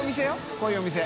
こういうお店。